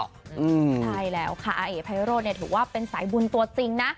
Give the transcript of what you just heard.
ใช่แล้วค่ะอาเอกไพโรธเนี่ยถือว่าเป็นสายบุญตัวจริงนะ